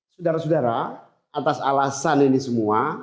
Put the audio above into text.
sudara sudara atas alasan ini semua